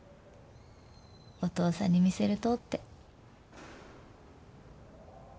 お父さんに見せるとって。